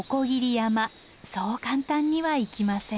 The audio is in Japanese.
そう簡単にはいきません。